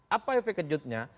apa efek kejutnya